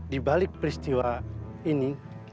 di balik peristiwa ini